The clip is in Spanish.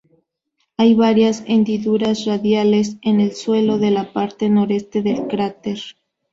Hay varias hendiduras radiales en el suelo de la parte noreste del cráter.